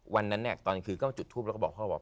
วันนั้นตอนกลางคืนก็มาจุดทูบแล้วก็บอกพ่อว่า